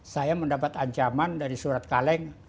saya mendapat ancaman dari surat kaleng